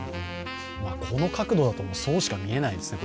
この角度だと、もう、そうしか見えないですね。